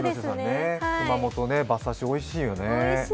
熊本ね、馬刺しおいしいよね。